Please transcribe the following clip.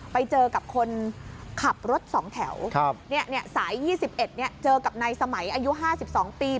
ไปเจอกับคนขับรถ๒แถวสาย๒๑เจอกับนายสมัยอายุ๕๒ปี